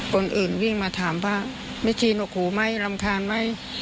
คนอื่นวิ่งมาถามว่าแม่ชีหนกหูไหมรำคาญไหม